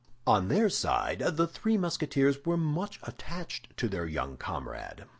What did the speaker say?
On their side, the three Musketeers were much attached to their young comrade.